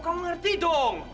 kamu ngerti dong